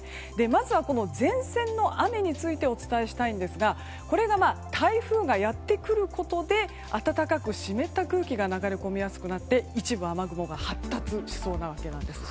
まずは前線の雨についてお伝えしたいんですが台風がやってくることで暖かく湿った空気が流れ込みやすくなって、一部雨雲が発達しそうなんです。